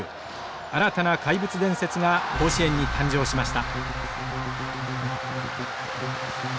新たな怪物伝説が甲子園に誕生しました。